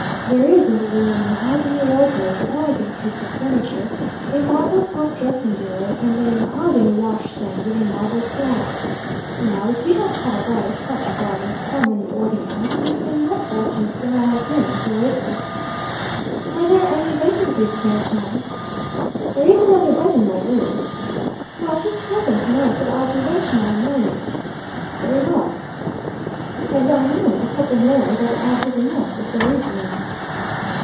There is in the room a mahogany wardrobe, an elegant piece of furniture a marble top dressing bureau, and a mahogany wash stand with a marble slab. Now if you don't call that a touch above a common boarding house, you've been more fortunate than I have been until lately." "Are there any vacancies there, Tom?" "There is another bed in my room." "Well, just tell them, to night, that I'll be there to morrow morning." "Very well." "And I know of a couple more that'll add to the mess, if there is room."